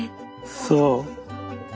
そう。